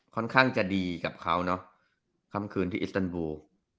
ก็ต้องจะดีกับเขาเนาะคำคืนที่อิสตานบูร์